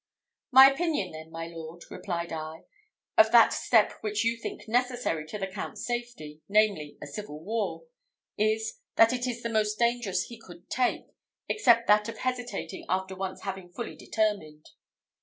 "My opinion, then, my lord," replied I, "of that step which you think necessary to the Count's safety, namely, a civil war, is, that it is the most dangerous he could take, except that of hesitating after once having fully determined."